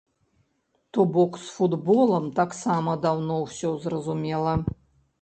То бок з футболам таксама даўно ўсё зразумела.